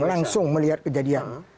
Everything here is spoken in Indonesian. langsung melihat kejadian